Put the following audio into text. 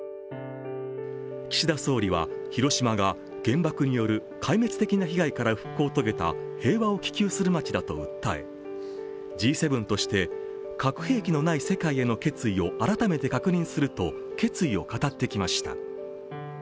岸田総理は、広島が原爆による壊滅的な被害から復興を遂げた平和を希求する街だと訴えＧ７として核兵器のない世界への決意を改めて確認すると決意を語ってきました。